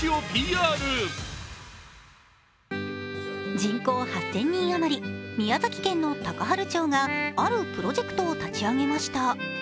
人口８０００人余り、宮崎県の高原町があるプロジェクトを立ち上げました。